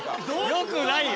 よくないよ。